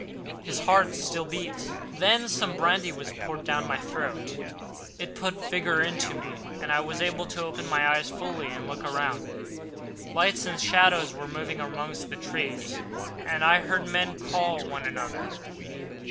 "His heart still beats!" Then some brandy was poured down my throat; it put vigour into me, and I was able to open my eyes fully and look around. Lights and shadows were moving among the trees, and I heard men call to one another.